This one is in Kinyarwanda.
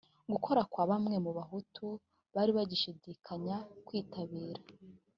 gukora kwa bamwe mu bahutu bari bagishidikanya kwitabira